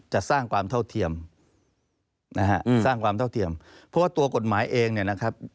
จะสร้างความเท่าเทียมเพราะว่าตัวกฎหมายเองเนี่ยนะครับ